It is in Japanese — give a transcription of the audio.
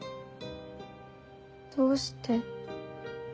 どうして。